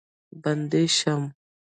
بندي شم.